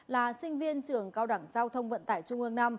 là sinh viên trường cao đẳng giao thông vận tải trung ương năm